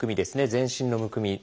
全身のむくみ。